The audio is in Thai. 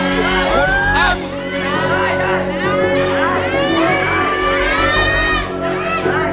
จับไว้ไว้อีก